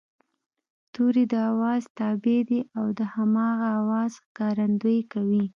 توری د آواز تابع دی او د هماغه آواز ښکارندويي کوي